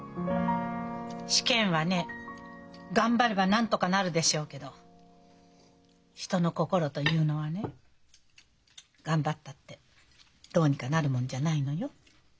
試験はね頑張ればなんとかなるでしょうけど人の心というのはね頑張ったってどうにかなるもんじゃないのよ。